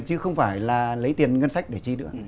chứ không phải là lấy tiền ngân sách để chi nữa